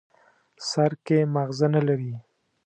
سر کې ماغزه نه لري.